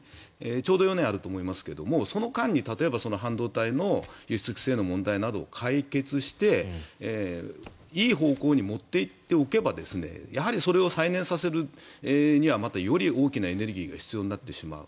ちょうど４年あると思いますがその間に例えば半導体の輸出規制の問題などを解決していい方向に持っていっておけばやはりそれを再燃させるにはまた、より大きなエネルギーが必要になってしまう。